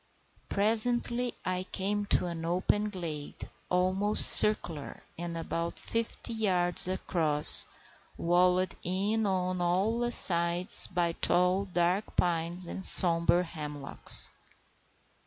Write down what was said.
Presently I came to an open glade, almost circular, and about fifty yards across, walled in on all sides by tall, dark pines and sombre hemlocks.